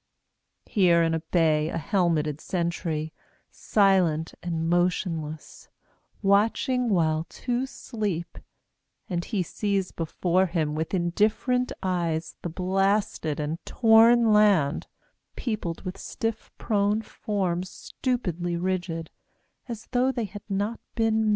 Here in a bay, a helmeted sentry Silent and motionless, watching while two sleep, And he sees before him With indifferent eyes the blasted and torn land Peopled with stiff prone forms, stupidly rigid, As tho' they had not been men.